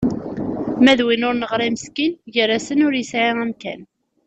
Ma d win ur neɣri meskin, gar-asen ur yesɛi amkan.